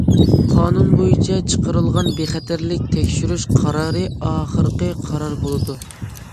قانۇن بويىچە چىقىرىلغان بىخەتەرلىك تەكشۈرۈش قارارى ئاخىرقى قارار بولىدۇ.